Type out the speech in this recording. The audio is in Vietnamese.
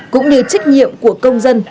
cũng như trách nhiệm của công dân